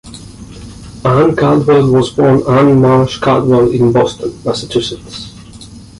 Anne Caldwell was born Anne Marsh Caldwell in Boston, Massachusetts.